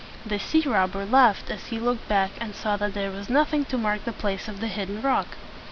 The sea robber laughed as he looked back and saw that there was nothing to mark the place of the hidden rock.